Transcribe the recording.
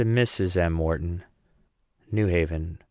WHARTON. NEW HAVEN.